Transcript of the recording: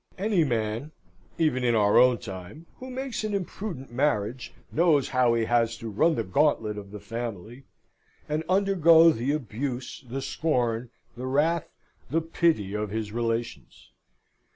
Any man, even in our time, who makes an imprudent marriage, knows how he has to run the gauntlet of the family, and undergo the abuse, the scorn, the wrath, the pity of his relations.